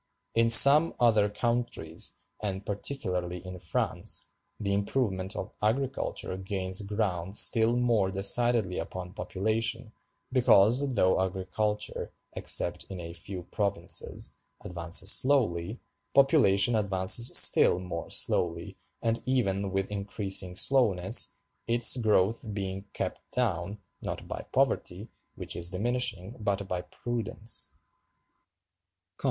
In some other countries, and particularly in France, the improvement of agriculture gains ground still more decidedly upon population, because though agriculture, except in a few provinces, advances slowly, population advances still more slowly, and even with increasing slowness, its growth being kept down, not by poverty, which is diminishing, but by prudence.